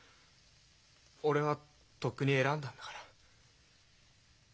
俺はとっくに選んだんだから。